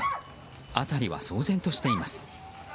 辺りは騒然としています。